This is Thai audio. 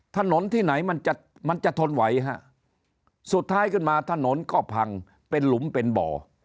ถนนที่ไหนมันจะมันจะทนไหวฮะสุดท้ายขึ้นมาถนนก็พังเป็นหลุมเป็นบ่อ